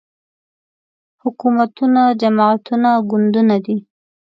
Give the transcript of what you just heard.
حکومتونه جماعتونه ګوندونه دي